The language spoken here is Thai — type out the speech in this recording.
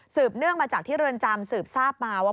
เนื่องมาจากที่เรือนจำสืบทราบมาว่า